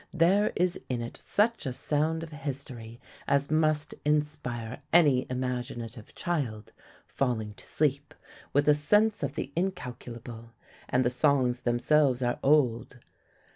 There is in it such a sound of history as must inspire any imaginative child, falling to sleep, with a sense of the incalculable; and the songs themselves are old.